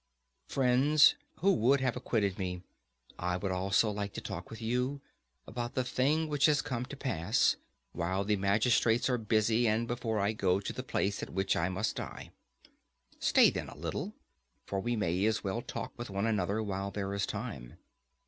Friends, who would have acquitted me, I would like also to talk with you about the thing which has come to pass, while the magistrates are busy, and before I go to the place at which I must die. Stay then a little, for we may as well talk with one another while there is time.